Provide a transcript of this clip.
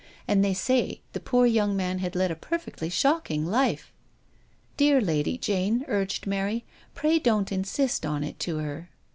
And they say the poor young man had led a perfectly shocking life." "Dear Lady Jane," urged Mary, "pray don't insist on it to her.